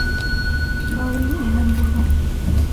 Pauli en Hamburgo.